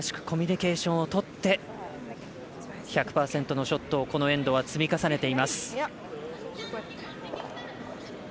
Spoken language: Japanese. コミュニケーションをとって１００％のショットをこのエンドは積み重ねています。